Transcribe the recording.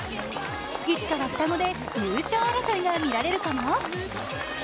いつかは双子で優勝争いが見られるかも。